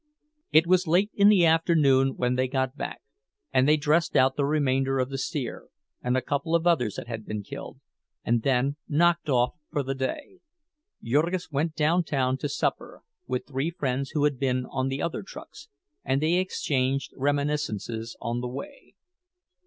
It was late in the afternoon when they got back, and they dressed out the remainder of the steer, and a couple of others that had been killed, and then knocked off for the day. Jurgis went downtown to supper, with three friends who had been on the other trucks, and they exchanged reminiscences on the way.